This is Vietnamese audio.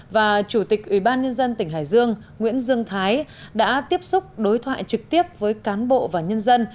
và chủ tịch ủy ban nhân dân tỉnh hải dương nguyễn dương thái đã tiếp xúc đối thoại trực tiếp với cán bộ và nhân dân